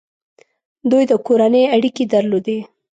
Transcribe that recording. دوی د کورنۍ اړیکې درلودې.